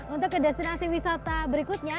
untuk ke destinasi wisata berikutnya